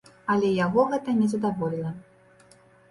Але яго гэта не задаволіла.